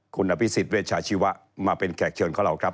คุณอภิษฎเวชาชีวะมาเป็นแขกเชิญของเราครับ